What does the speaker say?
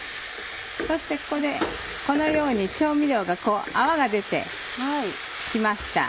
そしてここでこのように調味料が泡が出て来ました。